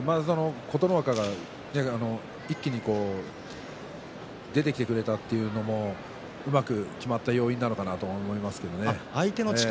琴ノ若が一気に出てきてくれたというのもうまくきまった要因かなと思います。